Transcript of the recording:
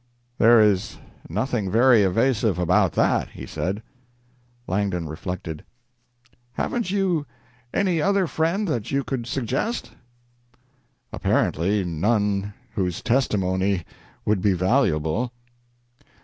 "There is nothing very evasive about that," he said. Langdon reflected. "Haven't you any other friend that you could suggest?" "Apparently none whose testimony would be valuable."